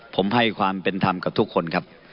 ผมให้ความเป็นธรรมกับทุกคนครับ